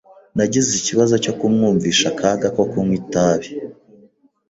Nagize ikibazo cyo kumwumvisha akaga ko kunywa itabi.